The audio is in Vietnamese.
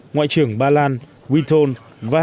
ngoại trưởng ba lan witton vasi